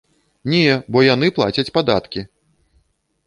Не, бо яны плацяць падаткі!